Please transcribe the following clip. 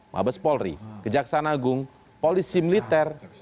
mabes polri kejaksaan agung polisi militer